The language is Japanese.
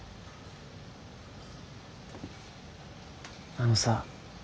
あのさ。